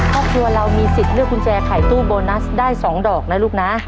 ครอบครัวเรามีสิทธิ์เลือกกุญแจขายตู้โบนัสได้๒ดอกนะลูกนะ